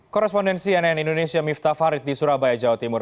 korrespondensi nn indonesia mifta farid di surabaya jawa timur